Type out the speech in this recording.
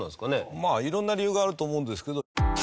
まあ色んな理由があると思うんですけど。